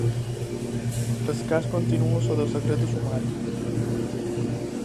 El cas continua sota secret de sumari.